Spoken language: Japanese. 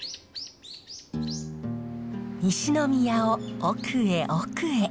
西宮を奥へ奥へ。